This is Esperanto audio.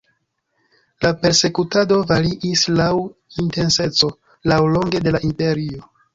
La persekutado variis laŭ intenseco laŭlonge de la imperio.